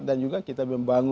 dan juga kita membangun